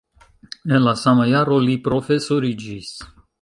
En la sama jaro li profesoriĝis.